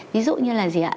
ví dụ như là gì ạ